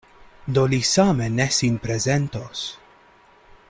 Do li same ne sin prezentos.